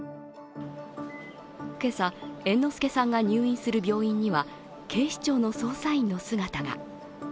今朝、猿之助さんが入院する病院には警視庁の捜査員の姿が。